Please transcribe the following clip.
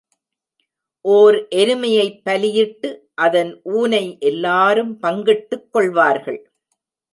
ஓர் எருமையைப் பலியிட்டு, அதன் ஊனை எல்லாரும் பங்கிட்டுக் கொள்வார்கள்.